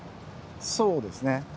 そうですね